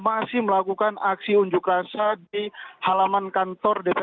masih melakukan aksi unjuk rasa di halaman kantor dpr